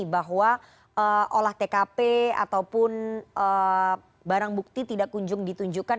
bahwa olah tkp ataupun barang bukti tidak kunjung ditunjukkan